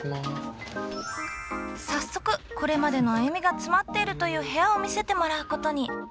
早速これまでの歩みが詰まっているという部屋を見せてもらうことに。